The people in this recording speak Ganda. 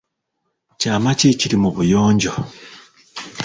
Kyama ki ekiri mu buyonjo?